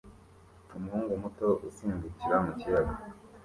Umuhungu muto usimbukira mu kiyaga